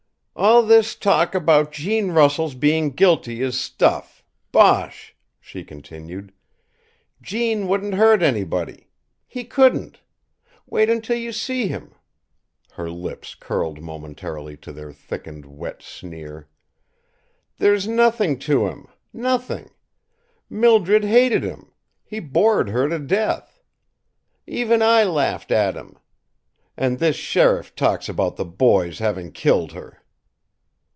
"All this talk about Gene Russell's being guilty is stuff, bosh!" she continued. "Gene wouldn't hurt anybody. He couldn't! Wait until you see him!" Her lips curled momentarily to their thickened, wet sneer. "There's nothing to him nothing! Mildred hated him; he bored her to death. Even I laughed at him. And this sheriff talks about the boy's having killed her!"